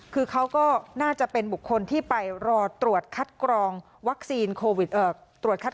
คือเขาก็น่าจะเป็นบุคคลที่ไปรอตรวจคัดกรองโควิด๑๙ค่ะ